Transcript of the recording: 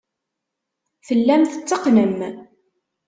Tellam tetteqqnem.